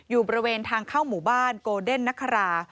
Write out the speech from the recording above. อยู่บริเวณทางเข้าหมู่บ้านโกเดนนครา